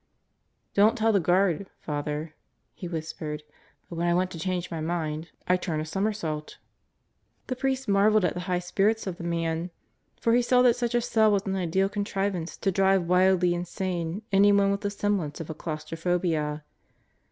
"Don't tell the guard, Father," he whispered, "but when I want to change my mind, I turn a somersault." The priest marveled at the high spirits of the man; for he saw that such a cell was an ideal contrivance to drive wildly insane anyone with the semblance of a claustrophobia.